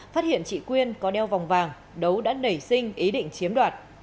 phát hiện chị quyên có đeo vòng vàng đấu đã nảy sinh ý định chiếm đoạt